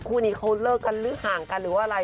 คู่นี้เขาเลิกกันหรือห่างกันหรือว่าอะไร